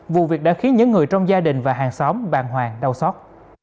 vụ việc đã khiến những người trong gia đình và hàng xóm bàng hoàng đau xót